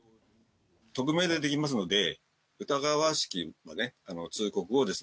匿名でできますので、疑わしきは通告をです。